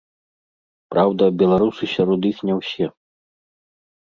Праўда, беларусы сярод іх не ўсе.